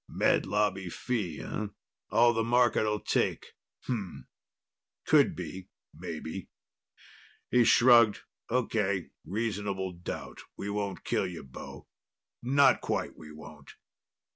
"Med Lobby fee, eh? All the market will take. Umm. It could be, maybe." He shrugged. "Okay, reasonable doubt. We won't kill you, bo. Not quite, we won't."